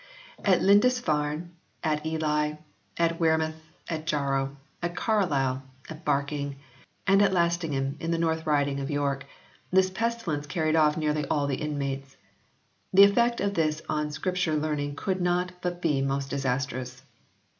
At Lindisfarne, at Ely, at Wearmouth and Jarrow, at Carlisle, at Barking, and at Lastingham in the North Riding of York, this pestilence carried off nearly all the inmates. The effect of this on Scripture learning could not but be most disastrous.